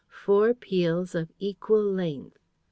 ... Four peals of equal length.